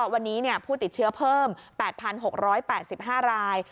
วันนี้ผู้ติดเชื้อเพิ่ม๘๖๘๕ราย